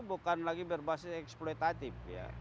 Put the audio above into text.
bukan lagi berbasis eksploitatif